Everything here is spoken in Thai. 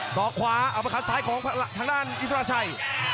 อกขวาเอาไปขัดซ้ายของทางด้านอินทราชัย